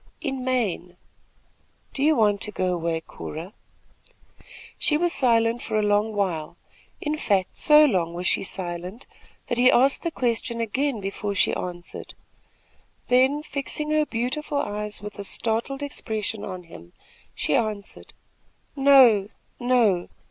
"In Maine." "Do you want to go away, Cora?" She was silent for a long while, in fact, so long was she silent that he asked the question again before she answered. Then, fixing her beautiful eyes, with a startled expression, on him, she answered: "No, no!